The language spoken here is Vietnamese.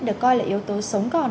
được coi là yếu tố sống còn